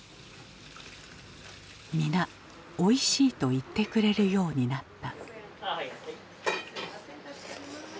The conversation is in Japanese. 皆おいしいと言ってくれるようになった。